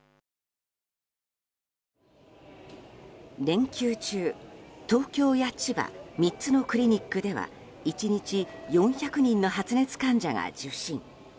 連休中、東京や千葉３つのクリニックでは１日４００人の発熱患者が受診。